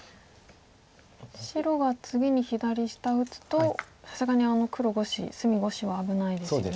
白が次に左下打つとさすがにあの黒５子隅５子は危ないですよね。